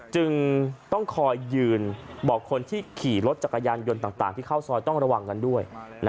จึงต้องคอยยืนบอกคนที่ขี่รถจักรยานยนต์ต่างที่เข้าซอยต้องระวังกันด้วย